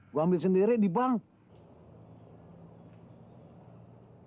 gue ambil sendiri di bank